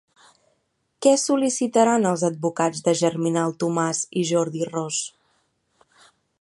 Què sol·licitaran els advocats de Germinal Tomàs i Jordi Ros?